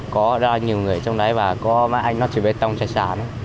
có rất là nhiều người trong đấy và có mấy anh nó chỉ bê tông chạy sàn